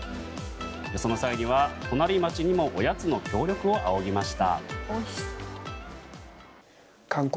その際には、隣町にもおやつの協力を仰ぎました。